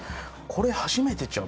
これ初めてちゃう？